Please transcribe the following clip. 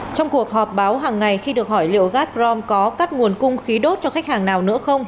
trong cuộc họp báo hằng ngày khi được hỏi liệu gatrom có cắt nguồn cung khí đốt cho khách hàng nào nữa không